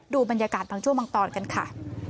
ดูบรรยากาศตั้งชั่วบางตอนกันค่ะ